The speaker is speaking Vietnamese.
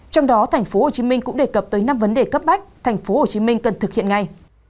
trong đó tp hcm cũng đề cập tới năm vấn đề cấp bách tp hcm cần thực hiện ngay